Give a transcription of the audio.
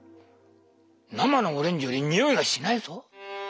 生のオレンジより匂いがしないぞ？